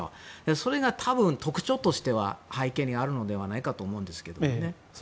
それが多分、特徴としては背景にあるのではないかと思うんですけどね。